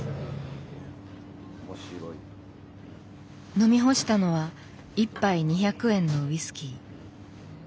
飲み干したのは１杯２００円のウイスキー。